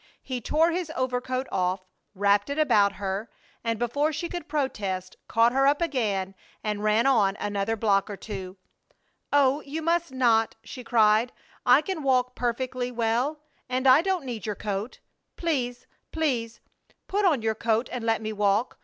He tore his overcoat off, wrapped it about her, and before she could protest caught her up again and ran on another block or two. "Oh, you must not!" she cried. "I can walk perfectly well, and I don't need your coat. Please, please put on your coat and let me walk!